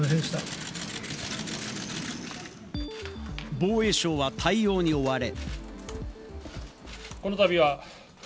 防衛省は対応に追われ。